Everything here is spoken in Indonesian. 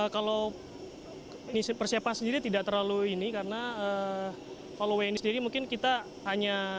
kalau persiapan sendiri tidak terlalu ini karena kalau wni sendiri mungkin kita hanya